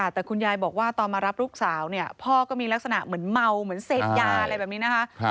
แต่คุณยายบอกว่าตอนมารับลูกสาวเนี่ยพ่อก็มีลักษณะเหมือนเมาเหมือนเสพยาอะไรแบบนี้นะคะ